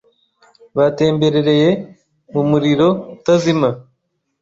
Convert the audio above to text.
batemberereye mu muriro utazima.